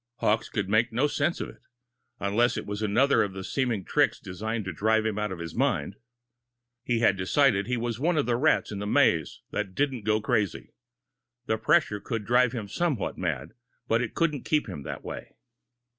Hawkes could make no sense of it unless it was another of the seeming tricks designed to drive him out of his mind. He had decided he was one of the rats in the maze that didn't go crazy the pressure could drive him somewhat mad, but it couldn't keep him that way.